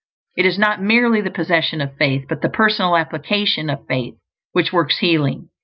It is not merely the possession of faith, but the personal application of faith which works healing.